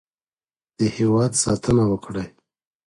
د هېواد ساتنه وکړئ.